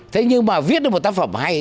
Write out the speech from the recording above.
thế nhưng mà viết được một tác phẩm hay